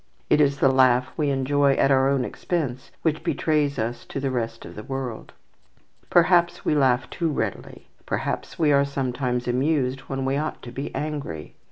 "It is the laugh we enjoy at our own expense which betrays us to the rest of the world." Perhaps we laugh too readily. Perhaps we are sometimes amused when we ought to be angry.